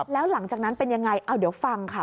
แล้วหลังจากนั้นเป็นยังไงเอาเดี๋ยวฟังค่ะ